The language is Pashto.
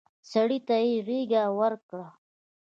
سړي ته يې غېږ ورکړه.